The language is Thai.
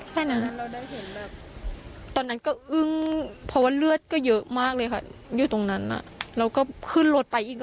แค่นั้นตอนนั้นก็อึ้งเพราะว่าเลือดก็เยอะมากเลยค่ะอยู่ตรงนั้นน่ะเราก็ขึ้นรถไปอีกอ่ะ